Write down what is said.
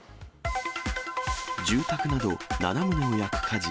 住宅など７棟を焼く火事。